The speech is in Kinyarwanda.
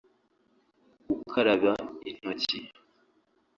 gukaraba intoki